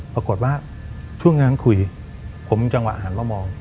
ปรากฏว่าช่วงนั้นคุยผมจังหวะหันมามอง